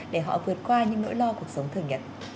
để họ vượt qua những nỗi lo cuộc sống thường nhật